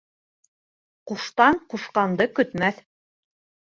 Ҡуштан ҡушҡанды көтмәҫ.